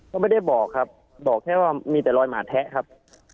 ก็ไม่ได้บอกครับบอกแค่ว่ามีแต่รอยหมาแทะครับ